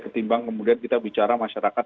ketimbang kemudian kita bicara masyarakat